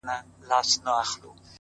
گراني په تا باندي چا كوډي كړي;